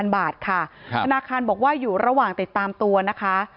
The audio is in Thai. ค่ะธนาคารบอกว่าอยู่ระหว่างติดตามตัวนะคะ